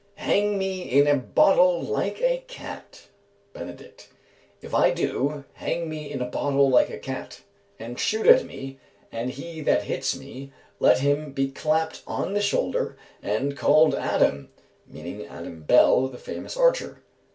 Hang me in a bottle like a cat. "BENEDICT. If I do, hang me in a bottle like a cat, and shoot at me, and he that hits me, let him be clapt on the shoulder and called Adam" (meaning Adam Bell, the famous archer).